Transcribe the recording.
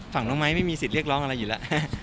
ฝั่งน้องไม้ไม่มีสิทธิ์เรียกร้องอะไรอยู่แล้ว